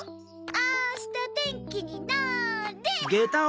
あしたてんきになれっ！